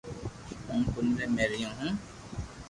ھون ڪنري مي ريون هون